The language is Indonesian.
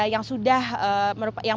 yang sudah merupakan